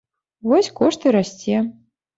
Вось кошт і расце.